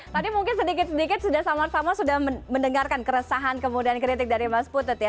tadi mungkin sedikit sedikit sudah sama sama sudah mendengarkan keresahan kemudian kritik dari mas putut ya